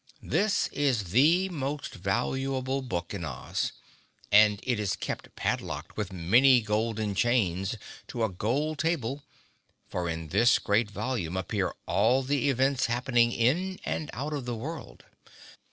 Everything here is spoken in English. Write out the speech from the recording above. This is the most valuable book in Oz and it is kept padlocked with many golden chains to a gold table, for in this great volume appear all the events happening in and out of the world.